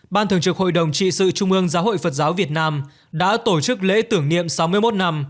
ban thường trực hội đồng trị sự trung ương giáo hội phật giáo việt nam đã tổ chức lễ tưởng niệm sáu mươi một năm